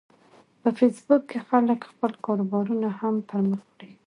په فېسبوک کې خلک خپل کاروبارونه هم پرمخ وړي